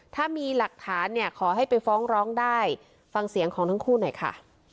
ถ้ามีหลักฐานเนี่ยขอให้ไปฟ้องร้องได้ฟังเสียงของทั้งคู่หน่อยค่ะ